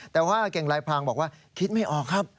แต่ว่าเก่งลายพรางบอกว่าคิดไม่ออกครับ